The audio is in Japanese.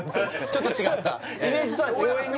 ちょっと違った？